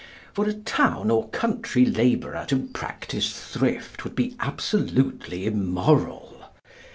For a town or country labourer to practise thrift would be absolutely immoral.